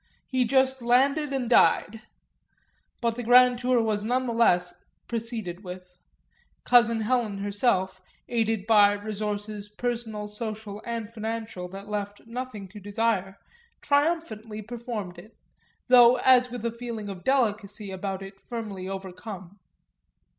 He just landed and died; but the grand tour was none the less proceeded with cousin Helen herself, aided by resources personal, social and financial that left nothing to desire, triumphantly performed it, though as with a feeling of delicacy about it firmly overcome.